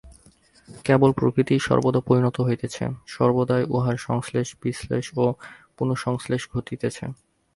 কেবল প্রকৃতিই সর্বদা পরিণত হইতেছে, সর্বদাই উহার সংশ্লেষ, বিশ্লেষ ও পুনঃসংশ্লেষ ঘটিতেছে।